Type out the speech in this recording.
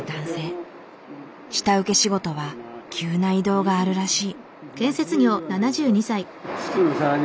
下請け仕事は急な移動があるらしい。